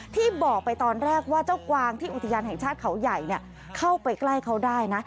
ที่บอกไปตอนแรกว่าเจ้ากวางที่อุทยานแห่งชาติเขาใหญ่เข้าไปใกล้เขาได้นะ